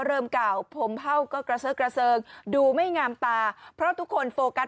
เริ่มเก่าผมเผ่าก็กระเซิกระเซิงดูไม่งามตาเพราะทุกคนโฟกัส